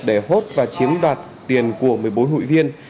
để hốt và chiếm đoạt tiền của một mươi bốn hụi viên